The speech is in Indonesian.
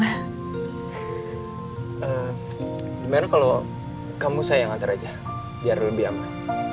gimana kalau kamu saya yang ngantar aja biar lebih aman